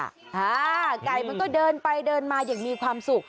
ไก่มันก็เดินไปเดินมาอย่างมีความสุข